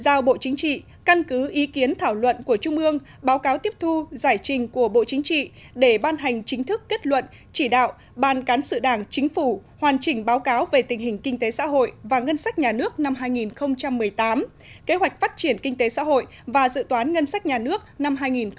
giao bộ chính trị căn cứ ý kiến thảo luận của trung ương báo cáo tiếp thu giải trình của bộ chính trị để ban hành chính thức kết luận chỉ đạo ban cán sự đảng chính phủ hoàn chỉnh báo cáo về tình hình kinh tế xã hội và ngân sách nhà nước năm hai nghìn một mươi tám kế hoạch phát triển kinh tế xã hội và dự toán ngân sách nhà nước năm hai nghìn một mươi chín